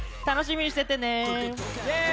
楽しみにしててね。